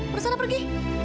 pergi sana pergi